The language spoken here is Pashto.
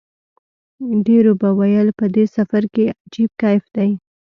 ډېرو به ویل په دې سفر کې عجیب کیف دی.